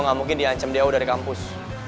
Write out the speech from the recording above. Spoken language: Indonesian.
gue gak mungkin diancam dia udah dari kampus